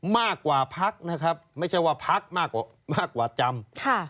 มากกว่าพักนะครับไม่ใช่ว่าพักมากกว่ามากกว่าจำ